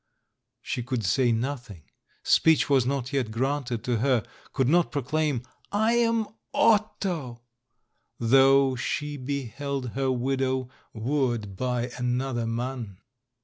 She could say nothing — speech was not yet granted to her — could not proclaim, "I am Otto," though she beheld her widow wooed by another man.